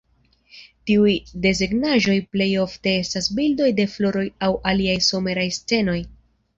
Tiuj desegnaĵoj plejofte estas bildoj de floroj aŭ aliaj someraj scenoj.